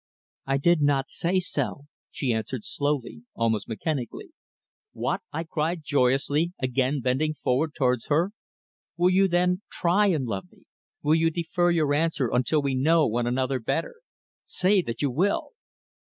"I did not say so," she answered slowly, almost mechanically. "What?" I cried joyously, again bending forward towards her. "Will you then try and love me will you defer your answer until we know one another better? Say that you will."